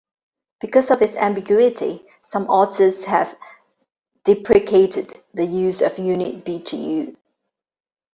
Because of this ambiguity, some authors have deprecated the use of the unit Btu.